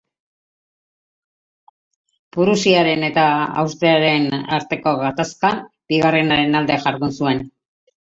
Prusiaren eta Austriaren arteko gatazkan, bigarrenaren alde jardun zuen.